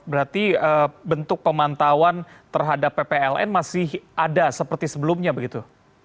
berarti bentuk pemantauan terhadap ppln masih ada seperti sebelumnya begitu